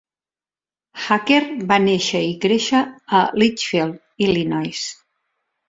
Hacker va néixer i créixer a Litchfield, Illinois.